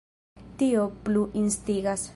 Tio plu instigas.